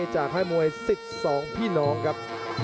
ค่ายมวย๑๒พี่น้องครับ